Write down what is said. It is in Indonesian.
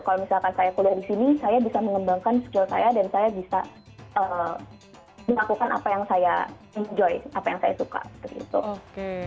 kalau misalkan saya kuliah di sini saya bisa mengembangkan skill saya dan saya bisa melakukan apa yang saya enjoy apa yang saya suka